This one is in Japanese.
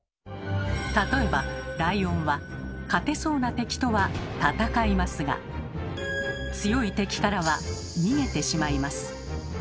例えばライオンは勝てそうな敵とは戦いますが強い敵からは逃げてしまいます。